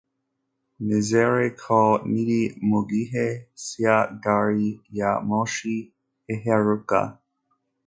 Nizere ko ndi mugihe cya gari ya moshi iheruka.